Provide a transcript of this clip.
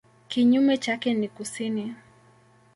Kinyume chake ni kusini.